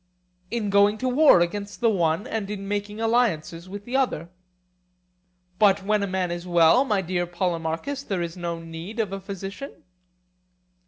In going to war against the one and in making alliances with the other. But when a man is well, my dear Polemarchus, there is no need of a physician?